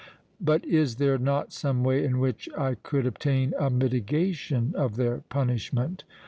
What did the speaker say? "But is there not some way in which I could obtain a mitigation of their punishment?"